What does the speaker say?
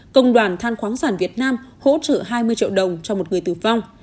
công đoàn than khoáng sản việt nam hỗ trợ hai mươi triệu đồng cho một người tử vong